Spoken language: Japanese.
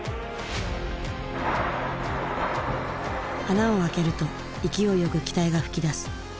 穴を開けると勢いよく気体が噴き出す。